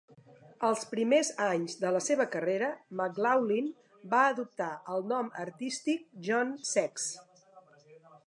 Els primers anys de la seva carrera, McLaughlin va adoptar el nom artístic "John Sex".